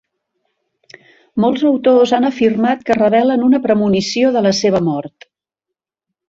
Molts autors han afirmat que revelen una premonició de la seva mort.